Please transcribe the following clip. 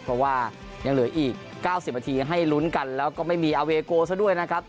เพราะว่ายังเหลืออีก๙๐นาทีให้ลุ้นกันแล้วก็ไม่มีอาเวโกซะด้วยนะครับ